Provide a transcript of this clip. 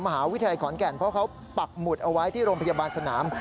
มหาวิทยาลัยขอนแก่นเพราะเขาปักหมุดเอาไว้ที่โรงพยาบาลสนาม